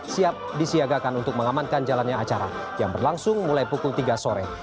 siap disiagakan untuk mengamankan jalannya acara yang berlangsung mulai pukul tiga sore